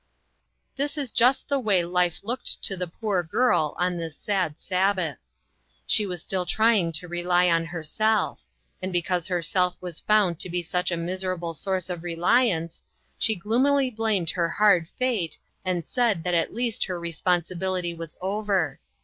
This is just the way life looked to the poor girl on this sad Sabbath. She was still trying to rely on herself; and because her self was found to be such a miserable source of reliance, she gloomily blamed her hard fate, and said that at least her re sponsibility was over.